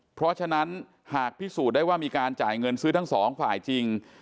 เพราะฉะนั้นหากพิสูจน์ได้ว่ามีการจ่ายเงินซื้อทั้งสองฝ่ายจริง